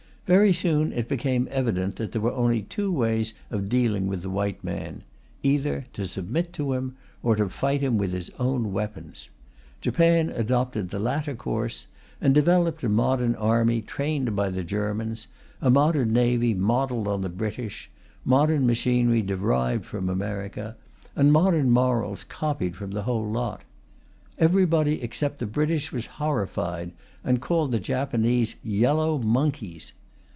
Very soon it became evident that there were only two ways of dealing with the white man, either to submit to him, or to fight him with his own weapons. Japan adopted the latter course, and developed a modern army trained by the Germans, a modern navy modelled on the British, modern machinery derived from America, and modern morals copied from the whole lot. Everybody except the British was horrified, and called the Japanese "yellow monkeys."